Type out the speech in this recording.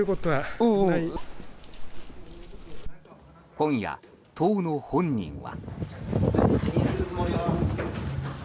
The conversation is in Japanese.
今夜、当の本人は。